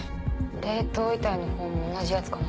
冷凍遺体のほうも同じヤツかな。